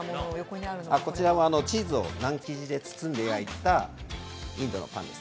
こちらはチーズをナン生地で包んで焼いたインドのパンです。